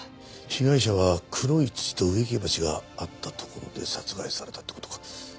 被害者は黒い土と植木鉢があった所で殺害されたって事か。